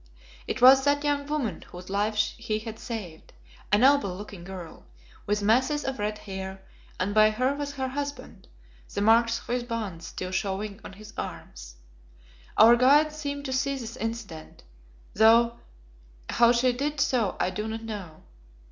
It was that young woman whose life he had saved, a noble looking girl, with masses of red hair, and by her was her husband, the marks of his bonds still showing on his arms. Our guide seemed to see this incident, though how she did so I do not know.